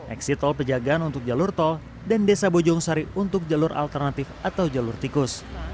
eksit tol pejagaan untuk jalur tol dan desa bojong sari untuk jalur alternatif atau jalur tikus